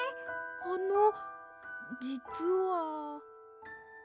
あのじつは。